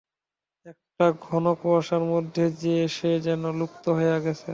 একটা ঘন কুয়াশার মধ্যে সে যেন লুপ্ত হয়ে গেছে।